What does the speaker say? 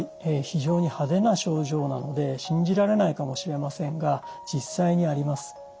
非常に派手な症状なので信じられないかもしれませんが実際にあります。